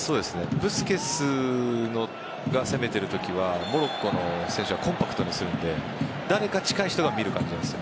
ブスケツが攻めているときはモロッコの選手はコンパクトにするので誰か近い人が見る感じなんですよ。